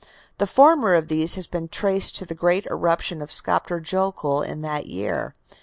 The former of these has been traced to the great eruption of Skaptur Jokull in that year.